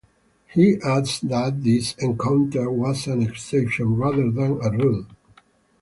He adds that this encounter was an exception rather than a rule.